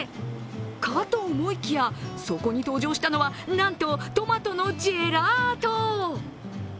かと思いきや、そこに登場したのはなんとトマトのジェラート。